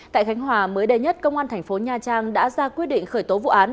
tại khánh hòa mới đây nhất công an thành phố nha trang đã ra quyết định khởi tố vụ án